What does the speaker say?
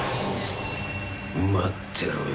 待ってろよ